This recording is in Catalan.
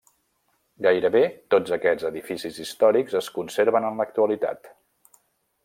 Gairebé tots aquests edificis històrics es conserven en l'actualitat.